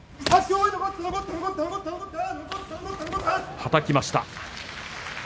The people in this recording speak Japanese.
はたきました。